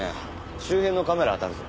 周辺のカメラあたるぞ。